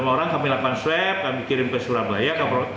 empat puluh lima orang kami lakukan swab kami kirim ke surabaya